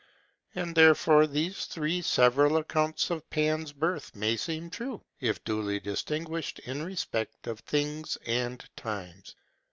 And therefore these three several accounts of Pan's birth may seem true, if duly distinguished in respect of things and times.